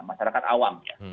masyarakat awam ya